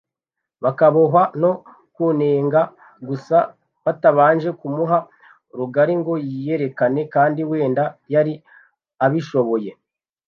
bakabohwa no kunenga gusa batabanje kumuha rugari ngo yiyerekane kandi wenda yari abishoboye”